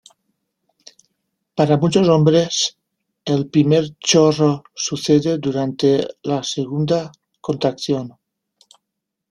Para muchos hombres, el primer chorro sucede durante la segunda contracción.